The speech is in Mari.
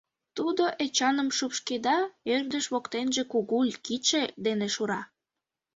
Тудо Эчаным шупшкеда, ӧрдыж воктенже кугу кидше дене шура.